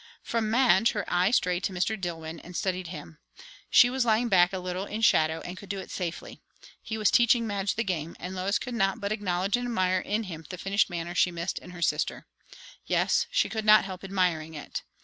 From Madge her eye strayed to Mr. Dillwyn, and studied him. She was lying back a little in shadow, and could do it safely. He was teaching Madge the game; and Lois could not but acknowledge and admire in him the finished manner she missed in her sister. Yes, she could not help admiring it.